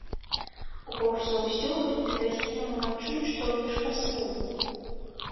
Горш за ўсё, калі ты дасі яму адчуць, што робіш паслугу.